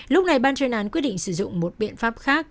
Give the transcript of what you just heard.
lúc này ban chuyên án quyết định sử dụng một biện pháp khác